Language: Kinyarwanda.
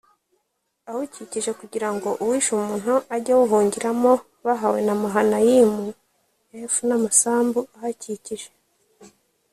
awukikije kugira ngo uwishe umuntu ajye awuhungiramo bahawe na mahanayimu f n amasambu ahakikije